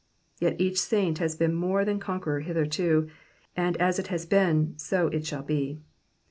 Yet each saint has been more than conqueror hitherto, and. as it has been, so it shall be.